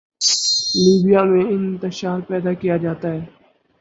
Libya میں انتشار پیدا کیا جاتا ہے۔